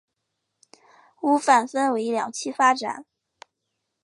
屋苑分为两期发展。